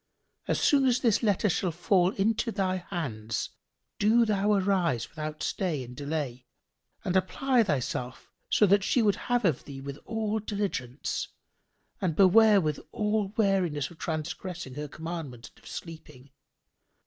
As soon as this letter shall fall into thy hands, do thou arise without stay and delay and apply thyself to that we would have of thee with all diligence and beware with all wariness of transgressing her commandment and of sleeping.